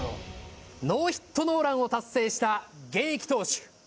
ノーヒットノーランを達成した現役投手